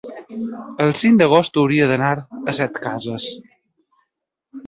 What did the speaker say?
el cinc d'agost hauria d'anar a Setcases.